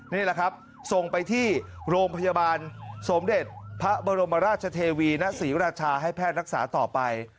นี่แหละครับส่งไปที่โรงพยาบาลสมเด็จพระบรมราชเทวีณศรีราชาให้แพทย์รักษาต่อไป